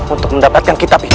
untuk mendapatkan kitab itu